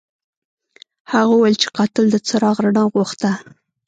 هغه وویل چې قاتل د څراغ رڼا غوښته.